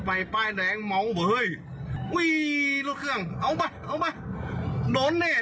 ไปไปแดงมองบ่อยอุ้ยรถเครื่องเอาบ่าเอาบ่าโดนเนี้ย